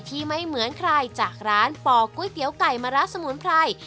ไม่เหมือนใครจากร้านป่อก๋วยเตี๋ยวไก่มะระสมุนไพร